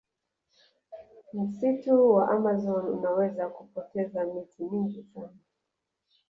msitu wa amazon unaweza kupoteza miti mingi sana